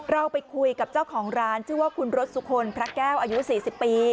เราไปคุยกับเจ้าของร้านชื่อว่าคุณรสสุคลพระแก้วอายุ๔๐ปี